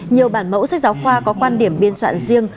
nhiều bản mẫu sách giáo khoa có quan điểm biên soạn riêng